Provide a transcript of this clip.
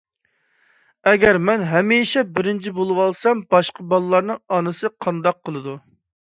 ئەگەر مەن ھەمىشە بىرىنچى بولۇۋالسام، باشقا بالىلارنىڭ ئانىسى قانداق قىلىدۇ؟